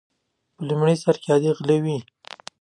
په لومړي سر کې عادي غله وي.